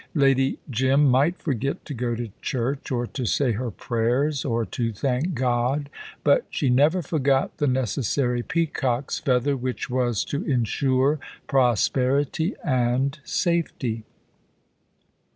Lady Jim might forget to go to church, or to say her prayers, or to thank God, but she never forgot the necessary peacock's feather which was to ensure prosperity and safety.